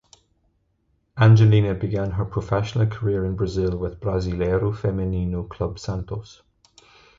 Angelina began her professional career in Brazil with Brasileiro Feminino club Santos.